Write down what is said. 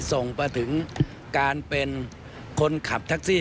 ส่งมาถึงการเป็นคนขับแท็กซี่